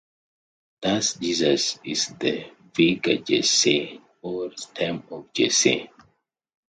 Thus Jesus is the "Virga Jesse" or "stem of Jesse".